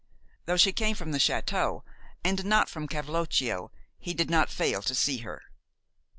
Though she came from the château and not from Cavloccio, he did not fail to see her.